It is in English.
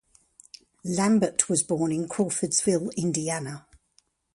Lambert was born in Crawfordsville, Indiana.